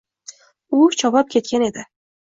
U chopib ketgan edi